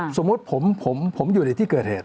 สมมุติผมอยู่ในที่เกิดเหตุ